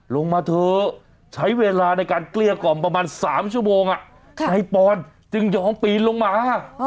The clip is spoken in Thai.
ลงมาเถอะใช้เวลาในการเกลี้ยกล่อมประมาณ๓ชั่วโมงนายปอนจึงยอมปีนลงมา